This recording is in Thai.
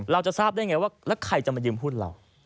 เราจะทราบได้ไงว่าแล้วใครจะมายืมหุ้นเรา